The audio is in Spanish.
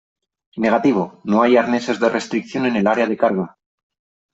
Negativo . No hay arneses de restricción en el área de carga .